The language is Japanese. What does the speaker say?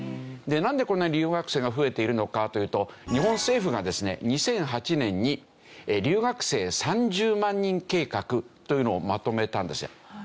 なんでこんなに留学生が増えているのかというと日本政府がですね２００８年に留学生３０万人計画というのをまとめたんですよ。